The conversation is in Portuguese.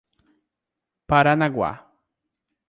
Paranaguá